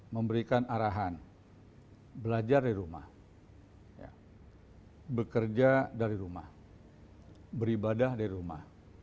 memberikan arahan belajar dari rumah bekerja dari rumah beribadah dari rumah